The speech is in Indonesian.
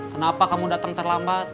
kenapa kamu datang terlambat